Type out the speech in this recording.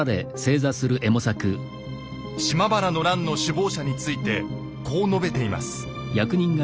島原の乱の首謀者についてこう述べています。